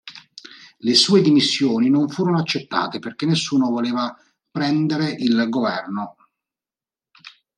Le sue dimissioni non furono accettate perché nessuno voleva prendere il governo.